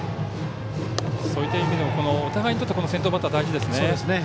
そういった意味でもお互いにとって先頭バッター大事ですね。